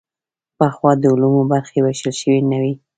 پخوا د علومو برخې ویشل شوې نه وې.